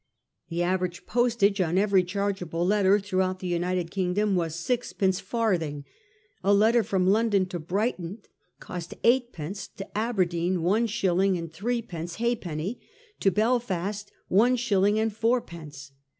The average postage on every chargeable letter throughout the United Kingdom was six pence farthing. A letter from Lon don to Brighton cost eight pence ; to Aberdeen one shilling and three pence halfpenny ; to Belfast one shilling and four pence.